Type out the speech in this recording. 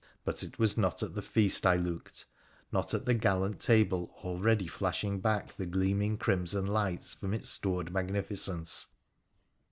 But it was not at the feast I looked — not at the gallant table already flashing back the gleaming crimson lights from its stored magnificence.